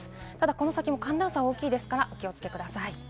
この後は寒暖差が大きいのでお気をつけください。